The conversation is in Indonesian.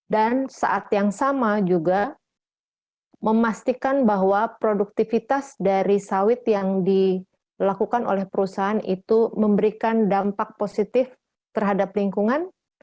dan saat yang sama juga memastikan bahwa produktivitas dari sawit yang dilakukan oleh perusahaan itu memberikan dampak positif terhadap lingkungan